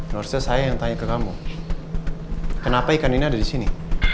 nurse saya yang tanya ke kamu kenapa ikan ini ada disini